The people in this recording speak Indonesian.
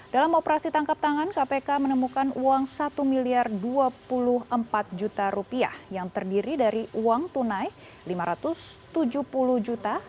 dalam operasi tangkap tangan kpk menemukan uang satu miliar dua puluh empat juta yang terdiri dari uang tunai rp lima ratus tujuh puluh juta